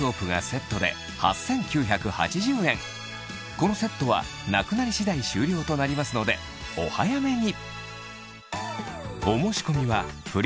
このセットはなくなり次第終了となりますのでお早めに！